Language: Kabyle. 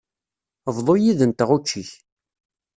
Bḍu yid-nteɣ učči-k.